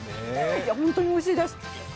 本当においしいです。